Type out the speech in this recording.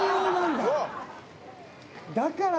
だからか！